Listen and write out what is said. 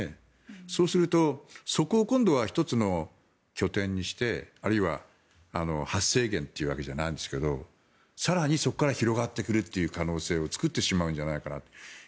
そうするとそこを今度は１つの拠点にしてあるいは発生源というわけじゃないんですけど更にそこから広がってくるという可能性を作ってしまうんじゃないかなと。